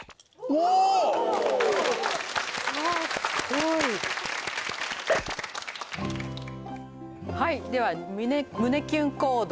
・わあすごいはいでは胸キュン行動